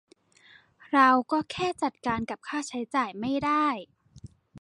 เราก็แค่จัดการกับค่าใช้จ่ายไม่ได้